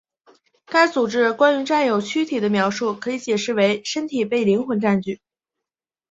该组织关于占有躯体的描述可以解释为身体被灵魂占据。